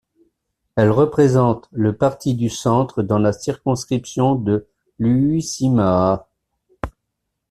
Elle représente le Parti du centre dans la circonscription de l'Uusimaa.